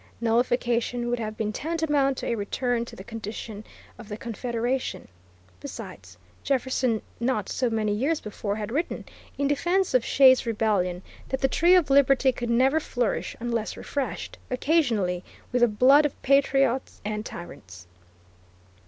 "Nullification" would have been tantamount to a return to the condition of the Confederation. Besides, Jefferson not so many years before had written, in defence of Shays's rebellion, that the tree of Liberty could never flourish unless refreshed occasionally with the blood of patriots and tyrants.